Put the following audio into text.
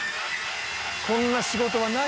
こんな仕事はない！